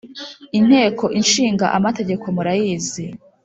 Inteko Ishinga Amategeko murayizi